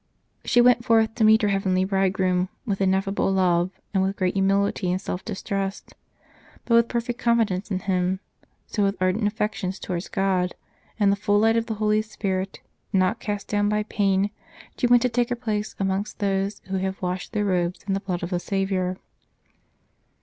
She went forth to meet her heavenly Bridegroom with ineffable love, with great humility and self distrust, but with perfect confidence in Him ; so with ardent affections towards God, in the full light of the Holy Spirit, not cast down by pain, she went to take her place amongst those who have washed their robes in the blood of the Saviour."